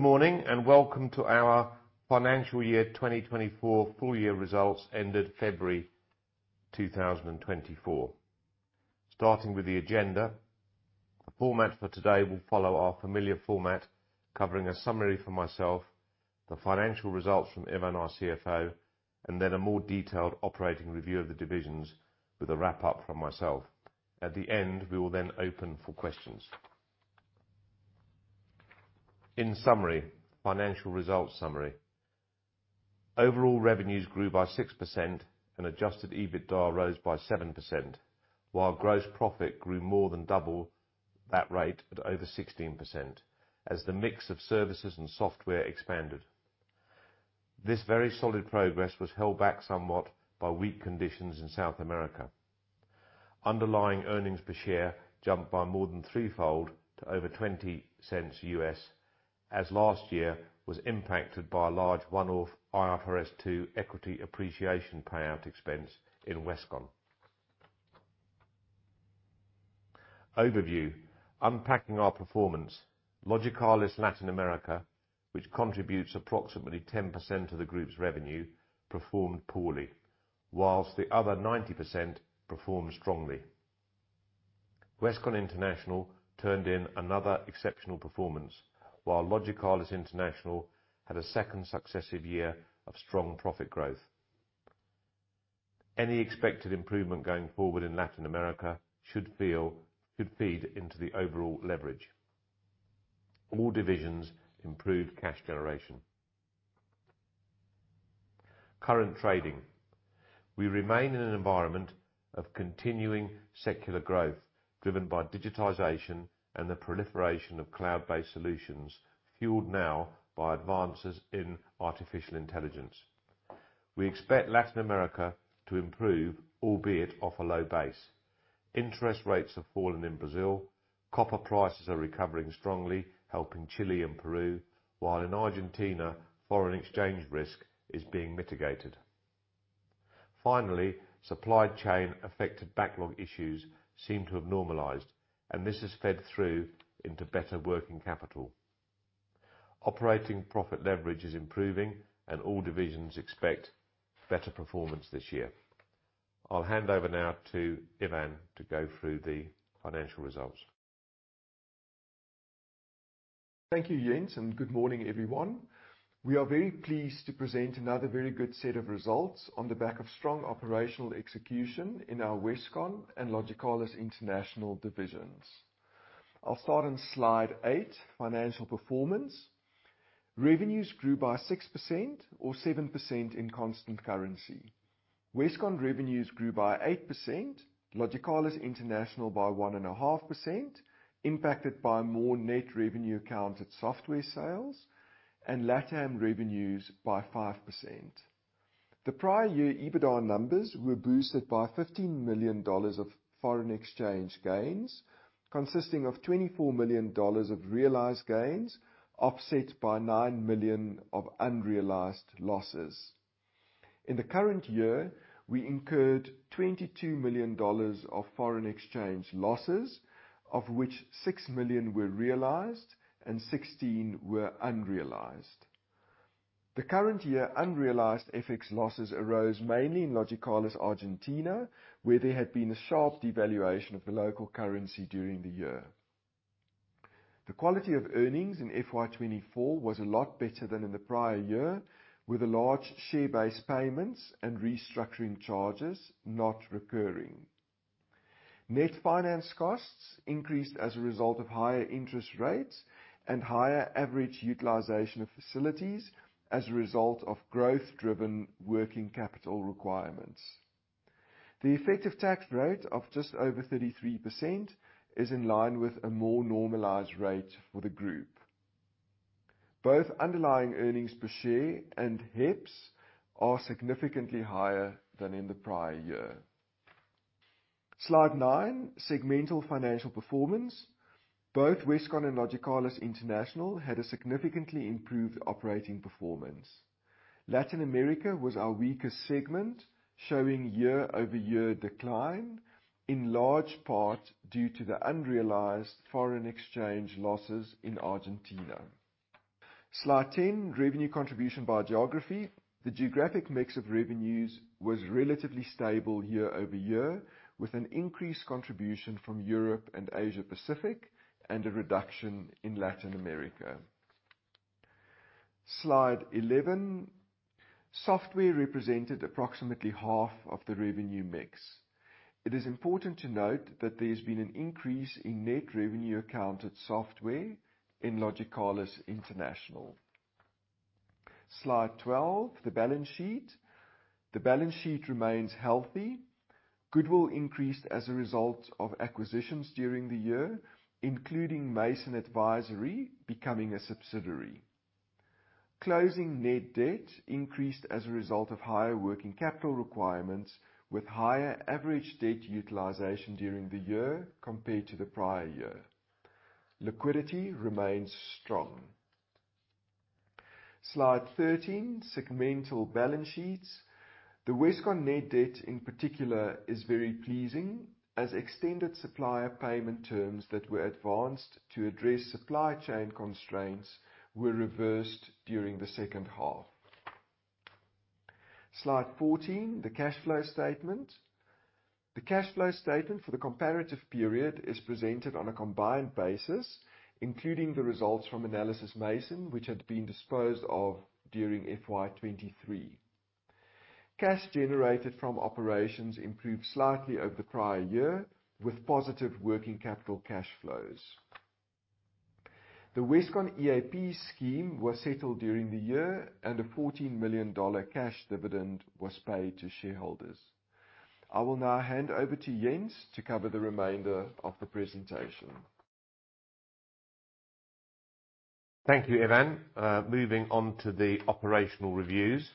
Good morning, welcome to our financial year 2024 full year results ended February 2024. Starting with the agenda, the format for today will follow our familiar format covering a summary from myself, the financial results from Ivan, our CFO, and then a more detailed operating review of the divisions with a wrap-up from myself. At the end, we will then open for questions. In summary, financial results summary. Overall revenues grew by 6% and Adjusted EBITDA rose by 7%, while gross profit grew more than double that rate at over 16% as the mix of services and software expanded. This very solid progress was held back somewhat by weak conditions in South America. Underlying earnings per share jumped by more than threefold to over $0.20 as last year was impacted by a large one-off IFRS 2 equity appreciation payout expense in Westcon. Overview. Unpacking our performance, Logicalis Latin America, which contributes approximately 10% of the group's revenue, performed poorly, whilst the other 90% performed strongly. Westcon International turned in another exceptional performance, while Logicalis International had a second successive year of strong profit growth. Any expected improvement going forward in Latin America could feed into the overall leverage. All divisions improved cash generation. Current trading. We remain in an environment of continuing secular growth driven by digitization and the proliferation of cloud-based solutions, fueled now by advances in artificial intelligence. We expect Latin America to improve, albeit off a low base. Interest rates have fallen in Brazil. Copper prices are recovering strongly, helping Chile and Peru, while in Argentina, foreign exchange risk is being mitigated. Finally, supply chain affected backlog issues seem to have normalized, and this has fed through into better working capital. Operating profit leverage is improving and all divisions expect better performance this year. I'll hand over now to Ivan to go through the financial results. Thank you, Jens. Good morning, everyone. We are very pleased to present another very good set of results on the back of strong operational execution in our Westcon and Logicalis International divisions. I'll start on slide 8, financial performance. Revenues grew by 6% or 7% in constant currency. Westcon revenues grew by 8%, Logicalis International by 1.5%, impacted by more net revenue account software sales, and LatAm revenues by 5%. The prior year EBITDA numbers were boosted by $15 million of foreign exchange gains, consisting of $24 million of realized gains, offset by $9 million of unrealized losses. In the current year, we incurred $22 million of foreign exchange losses, of which $6 million were realized and $16 million were unrealized. The current year unrealized FX losses arose mainly in Logicalis Argentina, where there had been a sharp devaluation of the local currency during the year. The quality of earnings in FY 2024 was a lot better than in the prior year, with the large share base payments and restructuring charges not recurring. Net finance costs increased as a result of higher interest rates and higher average utilization of facilities as a result of growth-driven working capital requirements. The effective tax rate of just over 33% is in line with a more normalized rate for the group. Both underlying earnings per share and HEPS are significantly higher than in the prior year. Slide 9, segmental financial performance. Both Westcon and Logicalis International had a significantly improved operating performance. Latin America was our weakest segment, showing year-over-year decline, in large part due to the unrealized foreign exchange losses in Argentina. Slide 10, revenue contribution by geography. The geographic mix of revenues was relatively stable year-over-year, with an increased contribution from Europe and Asia Pacific and a reduction in Latin America. Slide 11, software represented approximately half of the revenue mix. It is important to note that there's been an increase in net revenue accounted software in Logicalis International. Slide 12, the balance sheet. The balance sheet remains healthy. Goodwill increased as a result of acquisitions during the year, including Mason Advisory becoming a subsidiary. Closing net debt increased as a result of higher working capital requirements, with higher average debt utilization during the year compared to the prior year. Liquidity remains strong. Slide 13, segmental balance sheets. The Westcon net debt in particular is very pleasing as extended supplier payment terms that were advanced to address supply chain constraints were reversed during the second half. Slide 14, the cash flow statement. The cash flow statement for the comparative period is presented on a combined basis, including the results from Analysys Mason, which had been disposed of during FY 2023. Cash generated from operations improved slightly over the prior year with positive working capital cash flows. The Westcon EAP scheme was settled during the year and a $14 million cash dividend was paid to shareholders. I will now hand over to Jens to cover the remainder of the presentation. Thank you, Ivan Dittrich. Moving on to the operational reviews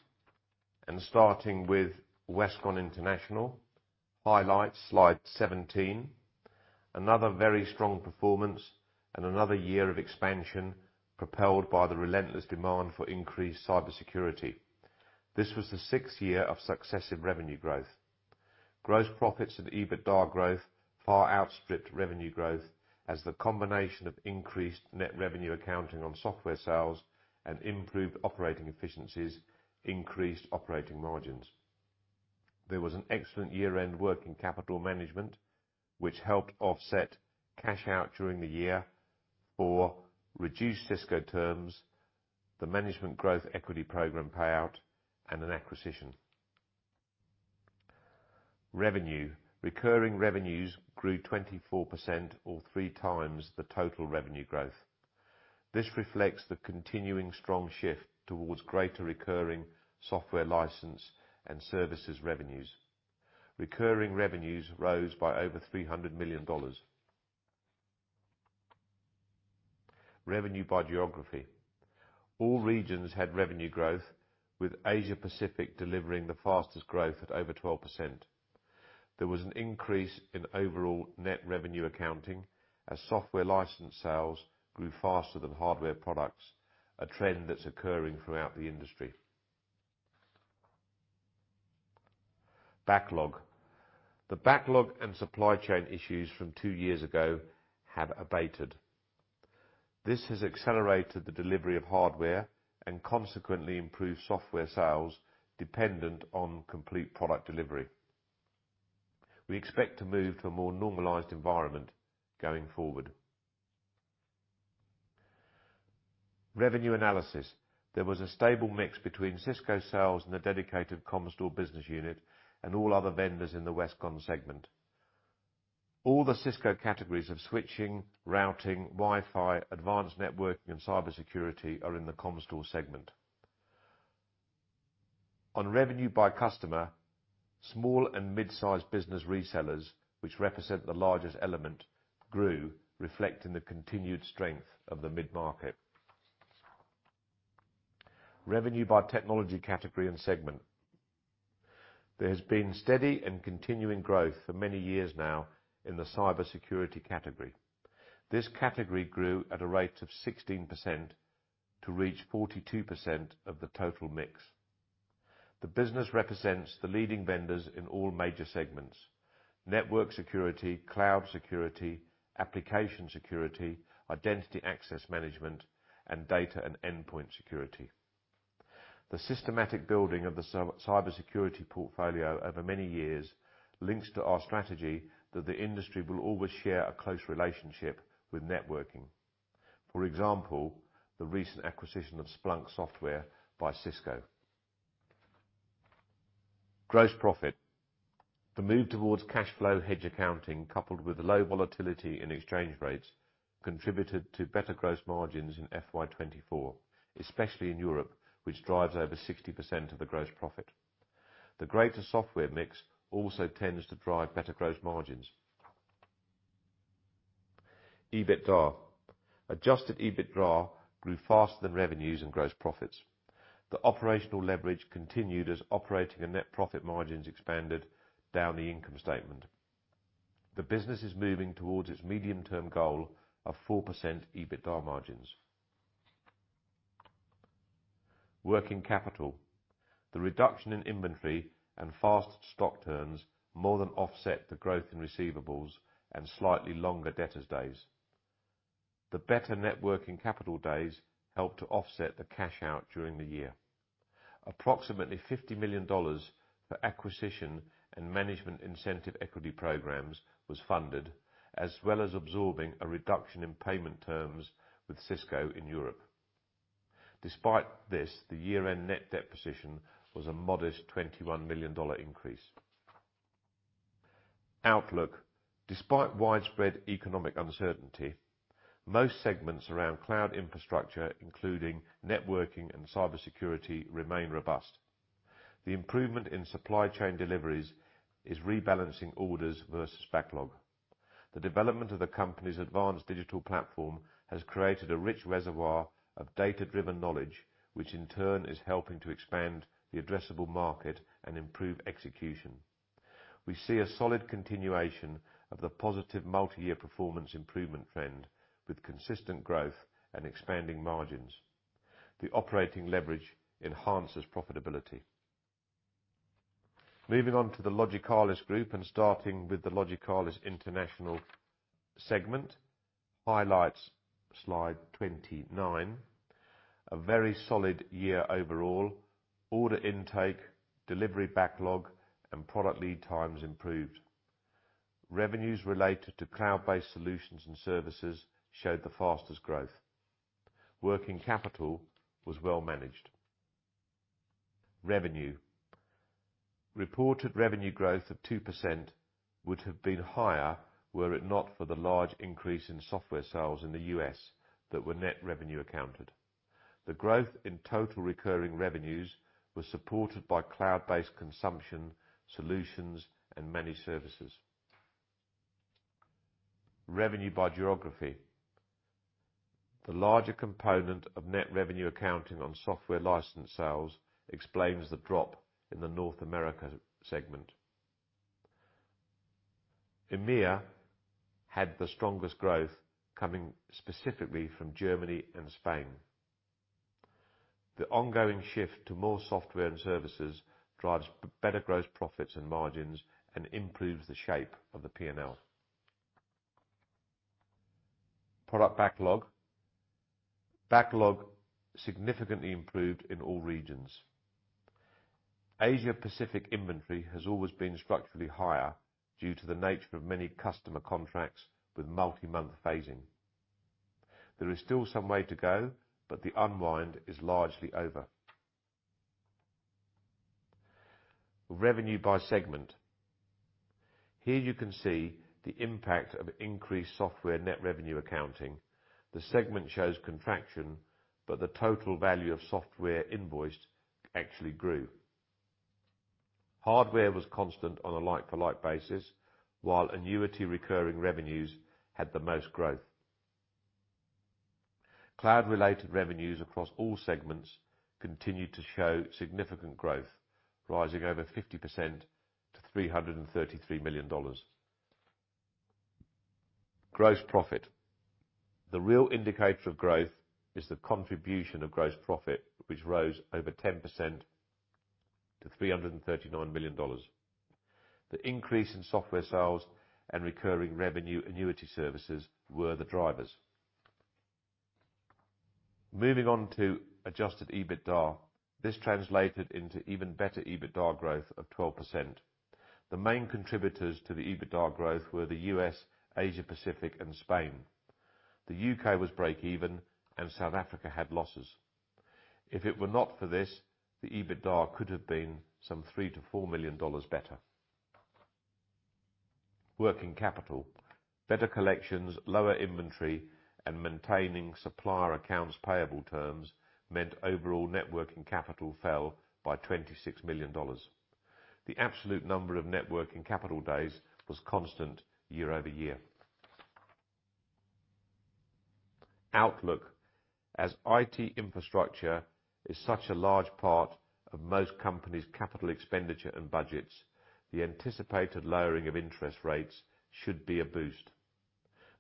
and starting with Westcon International. Highlights, slide 17. Another very strong performance and another year of expansion propelled by the relentless demand for increased cybersecurity. This was the sixth year of successive revenue growth. Gross profits and EBITDA growth far outstripped revenue growth as the combination of increased net revenue accounting on software sales and improved operating efficiencies increased operating margins. There was an excellent year-end working capital management, which helped offset cash out during the year for reduced Cisco terms, the management growth equity program payout, and an acquisition. Revenue. Recurring revenues grew 24% or 3 times the total revenue growth. This reflects the continuing strong shift towards greater recurring software license and services revenues. Recurring revenues rose by over $300 million. Revenue by geography. All regions had revenue growth, with Asia-Pacific delivering the fastest growth at over 12%. There was an increase in overall net revenue accounting as software license sales grew faster than hardware products, a trend that's occurring throughout the industry. Backlog. The backlog and supply chain issues from two years ago have abated. This has accelerated the delivery of hardware and consequently improved software sales dependent on complete product delivery. We expect to move to a more normalized environment going forward. Revenue analysis. There was a stable mix between Cisco sales and the dedicated Comstor business unit and all other vendors in the Westcon segment. All the Cisco categories of switching, routing, Wi-Fi, advanced networking, and cybersecurity are in the Comstor segment. On revenue by customer, small and mid-sized business resellers, which represent the largest element, grew, reflecting the continued strength of the mid-market. Revenue by technology category and segment. There has been steady and continuing growth for many years now in the cybersecurity category. This category grew at a rate of 16% to reach 42% of the total mix. The business represents the leading vendors in all major segments: network security, cloud security, application security, identity access management, and data and endpoint security. The systematic building of the cybersecurity portfolio over many years links to our strategy that the industry will always share a close relationship with networking. For example, the recent acquisition of Splunk Software by Cisco. Gross profit. The move towards cash flow hedge accounting, coupled with low volatility in exchange rates, contributed to better gross margins in FY 2024, especially in Europe, which drives over 60% of the gross profit. The greater software mix also tends to drive better gross margins. EBITDA. Adjusted EBITDA grew faster than revenues and gross profits. The operational leverage continued as operating and net profit margins expanded down the income statement. The business is moving towards its medium-term goal of 4% EBITDA margins. Working capital. The reduction in inventory and fast stock turns more than offset the growth in receivables and slightly longer debtor's days. The better networking capital days helped to offset the cash out during the year. Approximately $50 million for acquisition and management incentive equity programs was funded, as well as absorbing a reduction in payment terms with Cisco in Europe. Despite this, the year-end net debt position was a modest $21 million increase. Outlook. Despite widespread economic uncertainty, most segments around cloud infrastructure, including networking and cybersecurity, remain robust. The improvement in supply chain deliveries is rebalancing orders versus backlog. The development of the company's advanced digital platform has created a rich reservoir of data-driven knowledge, which in turn is helping to expand the addressable market and improve execution. We see a solid continuation of the positive multiyear performance improvement trend with consistent growth and expanding margins. The operating leverage enhances profitability. Moving on to the Logicalis Group and starting with the Logicalis International segment. Highlights, slide 29. A very solid year overall. Order intake, delivery backlog, and product lead times improved. Revenues related to cloud-based solutions and services showed the fastest growth. Working capital was well managed. Revenue. Reported revenue growth of 2% would have been higher were it not for the large increase in software sales in the U.S. that were net revenue accounted. The growth in total recurring revenues was supported by cloud-based consumption solutions and managed services. Revenue by geography. The larger component of net revenue accounting on software license sales explains the drop in the North America segment. EMEA had the strongest growth coming specifically from Germany and Spain. The ongoing shift to more software and services drives better gross profits and margins and improves the shape of the P&L. Product backlog. Backlog significantly improved in all regions. Asia-Pacific inventory has always been structurally higher due to the nature of many customer contracts with multi-month phasing. There is still some way to go, but the unwind is largely over. Revenue by segment. Here you can see the impact of increased software net revenue accounting. The segment shows contraction, but the total value of software invoiced actually grew. Hardware was constant on a like-for-like basis, while annuity recurring revenues had the most growth. Cloud-related revenues across all segments continued to show significant growth, rising over 50% to $333 million. Gross profit. The real indicator of growth is the contribution of gross profit, which rose over 10% to $339 million. The increase in software sales and recurring revenue annuity services were the drivers. Moving on to Adjusted EBITDA. This translated into even better EBITDA growth of 12%. The main contributors to the EBITDA growth were the U.S., Asia Pacific, and Spain. The U.K. was breakeven and South Africa had losses. If it were not for this, the EBITDA could have been some $3 million-$4 million better. Working capital. Better collections, lower inventory, and maintaining supplier accounts payable terms meant overall networking capital fell by $26 million. The absolute number of networking capital days was constant year-over-year. Outlook. As IT infrastructure is such a large part of most companies' capital expenditure and budgets, the anticipated lowering of interest rates should be a boost.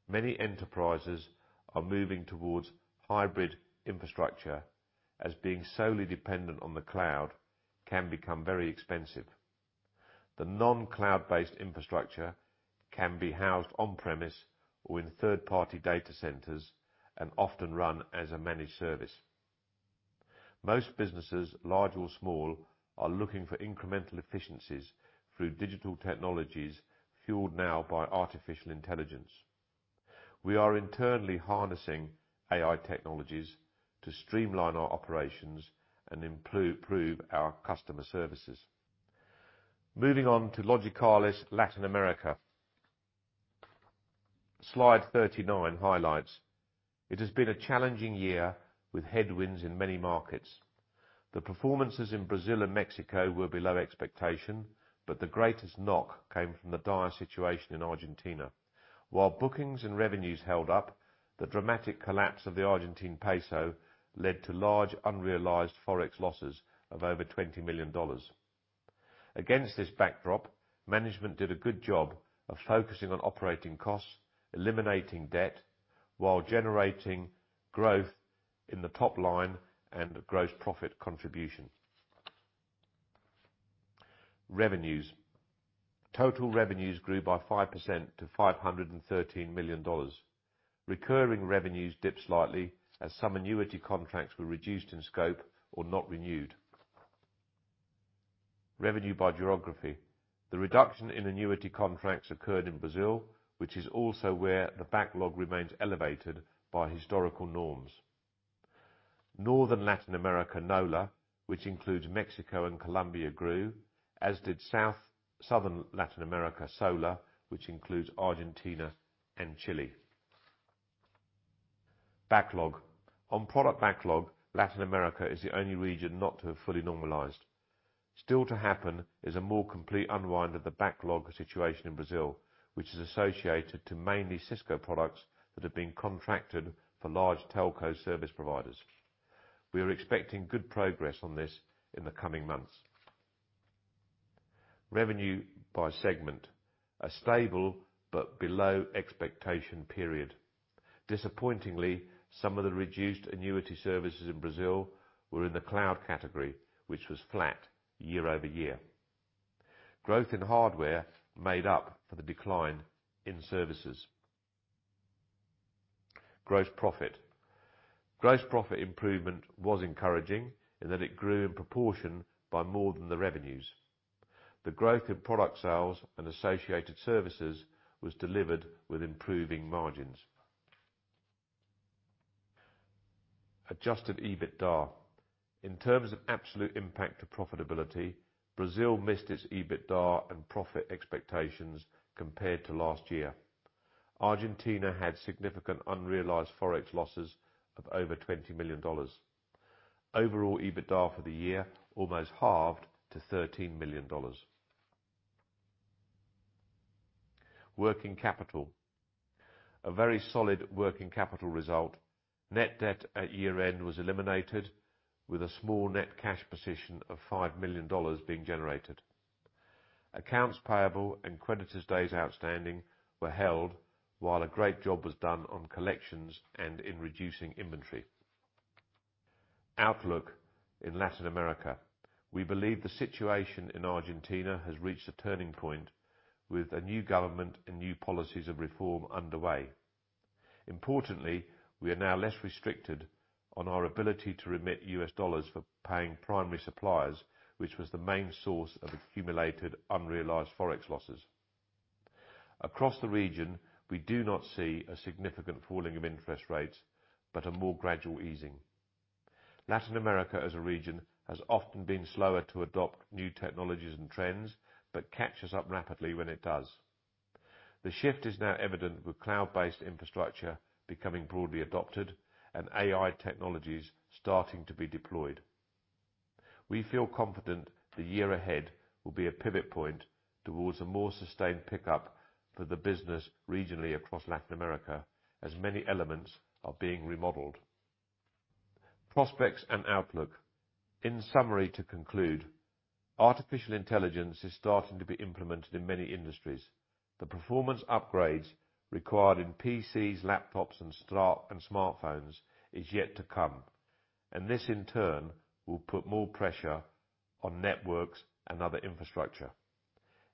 Many enterprises are moving towards hybrid infrastructure as being solely dependent on the cloud can become very expensive. The non-cloud-based infrastructure can be housed on-premise or in third-party data centers and often run as a managed service. Most businesses, large or small, are looking for incremental efficiencies through digital technologies fueled now by artificial intelligence. We are internally harnessing AI technologies to streamline our operations and improve our customer services. Moving on to Logicalis Latin America. Slide 39 highlights. It has been a challenging year with headwinds in many markets. The performances in Brazil and Mexico were below expectation, but the greatest knock came from the dire situation in Argentina. While bookings and revenues held up, the dramatic collapse of the Argentine peso led to large unrealized Forex losses of over $20 million. Against this backdrop, management did a good job of focusing on operating costs, eliminating debt while generating growth in the top line and gross profit contribution. Revenues. Total revenues grew by 5% to $513 million. Recurring revenues dipped slightly as some annuity contracts were reduced in scope or not renewed. Revenue by geography. The reduction in annuity contracts occurred in Brazil, which is also where the backlog remains elevated by historical norms. Northern Latin America, NOLA, which includes Mexico and Colombia, grew, as did Southern Latin America, SOLA, which includes Argentina and Chile. Backlog. On product backlog, Latin America is the only region not to have fully normalized. Still to happen is a more complete unwind of the backlog situation in Brazil, which is associated to mainly Cisco products that have been contracted for large telco service providers. We are expecting good progress on this in the coming months. Revenue by segment. A stable but below expectation period. Disappointingly, some of the reduced annuity services in Brazil were in the cloud category, which was flat year-over-year. Growth in hardware made up for the decline in services. Gross profit. Gross profit improvement was encouraging in that it grew in proportion by more than the revenues. The growth in product sales and associated services was delivered with improving margins. Adjusted EBITDA. In terms of absolute impact to profitability, Brazil missed its EBITDA and profit expectations compared to last year. Argentina had significant unrealized Forex losses of over $20 million. Overall EBITDA for the year almost halved to $13 million. Working capital. A very solid working capital result. Net debt at year-end was eliminated with a small net cash position of $5 million being generated. Accounts payable and creditors' days outstanding were held while a great job was done on collections and in reducing inventory. Outlook in Latin America. We believe the situation in Argentina has reached a turning point with a new government and new policies of reform underway. Importantly, we are now less restricted on our ability to remit U.S. dollars for paying primary suppliers, which was the main source of accumulated unrealized Forex losses. Across the region, we do not see a significant falling of interest rates, but a more gradual easing. Latin America as a region has often been slower to adopt new technologies and trends, but catches up rapidly when it does. The shift is now evident with cloud-based infrastructure becoming broadly adopted and AI technologies starting to be deployed. We feel confident the year ahead will be a pivot point towards a more sustained pickup for the business regionally across Latin America, as many elements are being remodeled. Prospects and outlook. In summary to conclude, artificial intelligence is starting to be implemented in many industries. The performance upgrades required in PCs, laptops and smartphones is yet to come. This in turn will put more pressure on networks and other infrastructure.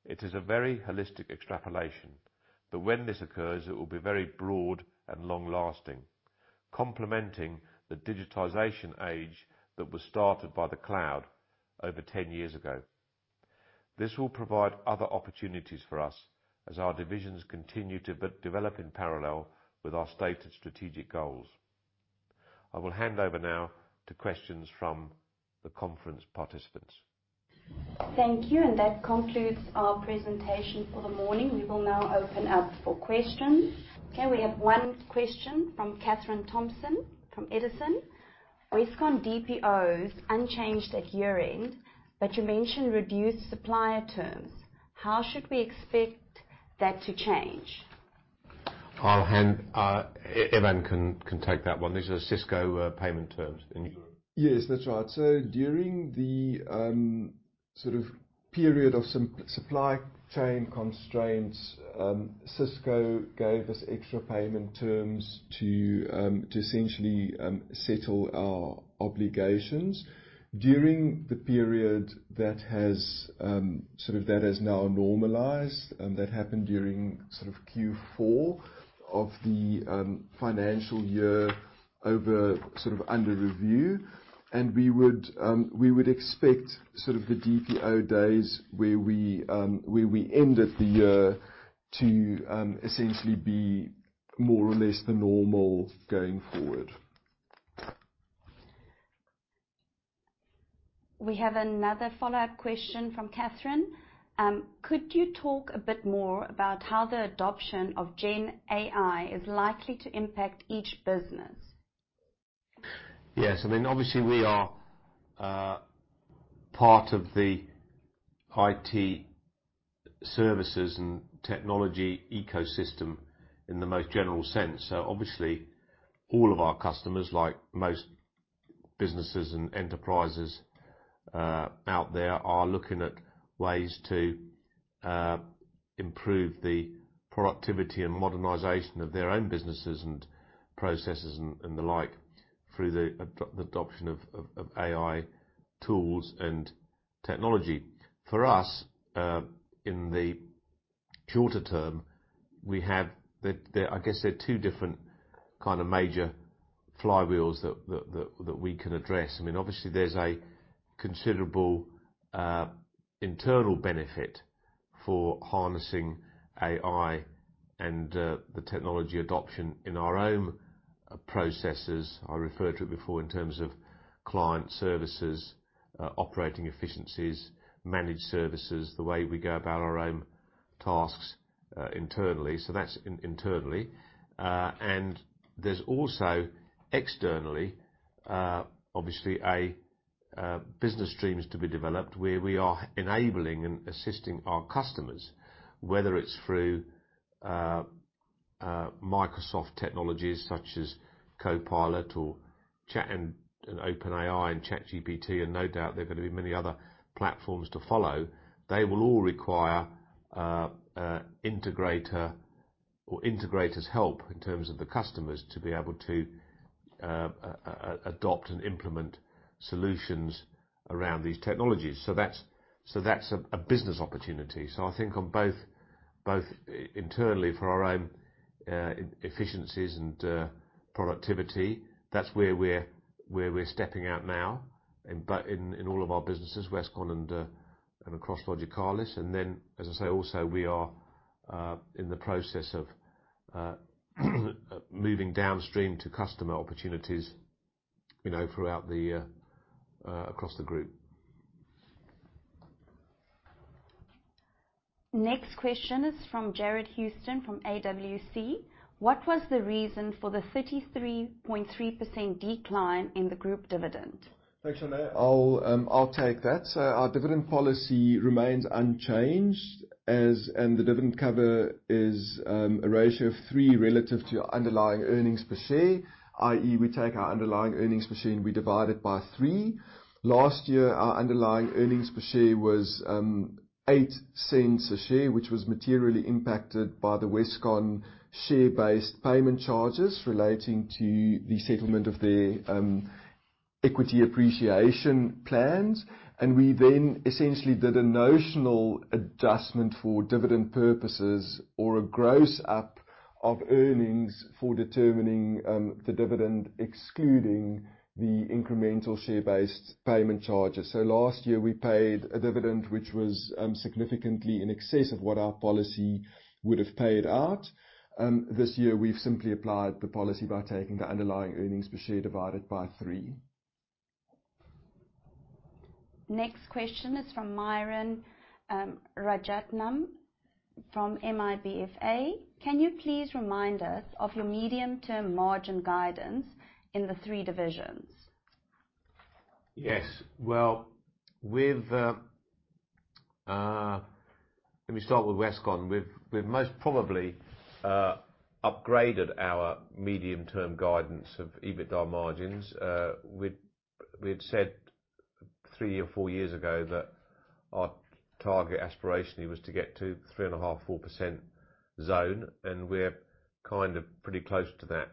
It is a very holistic extrapolation that when this occurs, it will be very broad and long-lasting, complementing the digitization age that was started by the cloud over 10 years ago. This will provide other opportunities for us as our divisions continue to develop in parallel with our stated strategic goals. I will hand over now to questions from the conference participants. Thank you. That concludes our presentation for the morning. We will now open up for questions. We have one question from Katherine Thompson from Edison Group. Westcon DPOs unchanged at year-end, you mentioned reduced supplier terms. How should we expect that to change? I'll hand, Ivan Dittrich can take that one. These are Cisco payment terms. Yes, that's right. During the sort of period of some supply chain constraints, Cisco gave us extra payment terms to essentially settle our obligations. During the period that has now normalized, and that happened during sort of Q4 of the financial year under review. We would expect sort of the DPO days where we ended the year to essentially be more or less the normal going forward. We have another follow-up question from Katherine. Could you talk a bit more about how the adoption of GenAI is likely to impact each business? Yes. I mean, obviously we are part of the IT services and technology ecosystem in the most general sense. Obviously all of our customers, like most businesses and enterprises, out there, are looking at ways to improve the productivity and modernization of their own businesses and processes and the like, through the adoption of AI tools and technology. For us, in the shorter term, we have the I guess there are two different kind of major flywheels that we can address. I mean, obviously there's a considerable internal benefit for harnessing AI and the technology adoption in our own processes. I referred to it before in terms of client services, operating efficiencies, managed services, the way we go about our own tasks, internally. That's internally. And there's also externally, obviously a business streams to be developed where we are enabling and assisting our customers, whether it's through Microsoft technologies such as Copilot or Chat and OpenAI and ChatGPT, and no doubt there are gonna be many other platforms to follow. They will all require integrator or integrators' help in terms of the customers to be able to adopt and implement solutions around these technologies. That's, that's a business opportunity. I think on both internally for our own efficiencies and productivity, that's where we're, where we're stepping out now. In all of our businesses, Westcon and across Logicalis. As I say, also, we are in the process of moving downstream to customer opportunities, you know, throughout the, across the group. Next question is from Jared Houston from AWC. What was the reason for the 33.3% decline in the group dividend? Thanks, Shane. I'll take that. Our dividend policy remains unchanged, as the dividend cover is a ratio of three relative to underlying earnings per share, i.e., we take our underlying earnings per share, and we divide it by three. Last year, our underlying earnings per share was $0.08 a share, which was materially impacted by the Westcon share-based payment charges relating to the settlement of their equity appreciation plans. We then essentially did a notional adjustment for dividend purposes or a gross up of earnings for determining the dividend, excluding the incremental share-based payment charges. Last year, we paid a dividend, which was significantly in excess of what our policy would have paid out. This year, we've simply applied the policy by taking the underlying earnings per share divided by three. Next question is from Myuran Rajaratnam from MIBFA: Can you please remind us of your medium-term margin guidance in the three divisions? Yes. Well, we've, let me start with Westcon. We've most probably upgraded our medium-term guidance of EBITDA margins. We had said three or four years ago that our target aspiration was to get to 3.5%, 4% zone, and we're kind of pretty close to that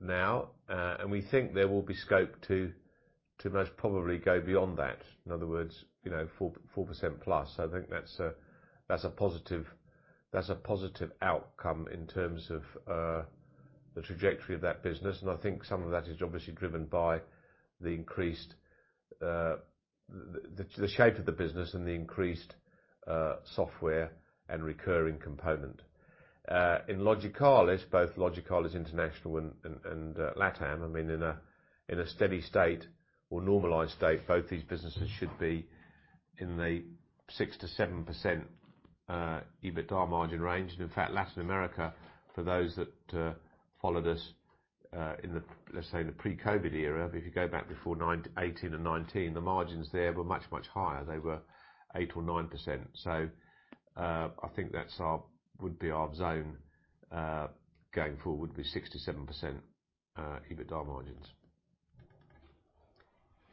now. And we think there will be scope to most probably go beyond that. In other words, you know, 4%, 4% plus. I think that's a positive outcome in terms of the trajectory of that business. I think some of that is obviously driven by the increased the shape of the business and the increased software and recurring component. In Logicalis, both Logicalis International and Logicalis LatAm, I mean, in a steady state or normalized state, both these businesses should be in the 6% to 7% EBITDA margin range. In fact, Latin America, for those that followed us, in the, let's say, in the pre-COVID era, but if you go back before 2018 and 2019, the margins there were much, much higher. They were 8% or 9%. I think that's our would be our zone going forward, would be 6% to 7% EBITDA margins.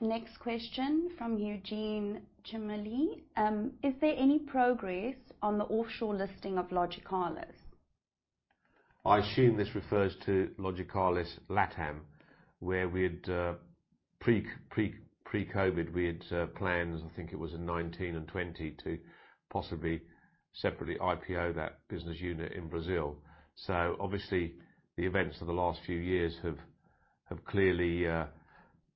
Next question from Eugene Chemaly: Is there any progress on the offshore listing of Logicalis? I assume this refers to Logicalis LatAm, where we had pre-COVID, we had plans, I think it was in 2019 and 2020, to possibly separately IPO that business unit in Brazil. Obviously, the events of the last few years have clearly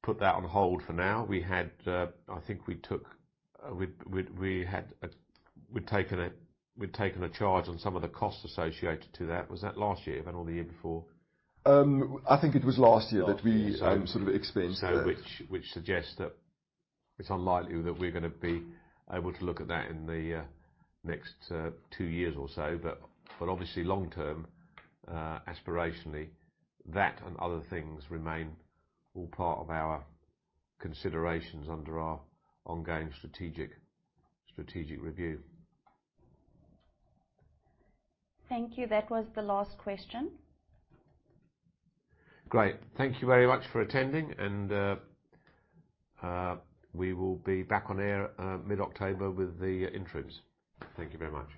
put that on hold for now. We had I think we took, we had taken a charge on some of the costs associated to that. Was that last year even, or the year before? I think it was last year- Last year. - that we sort of expensed that. Which suggests that it's unlikely that we're gonna be able to look at that in the next two years or so. Obviously long term, aspirationally, that and other things remain all part of our considerations under our ongoing strategic review. Thank you. That was the last question. Great. Thank you very much for attending, and we will be back on air mid-October with the interims. Thank you very much.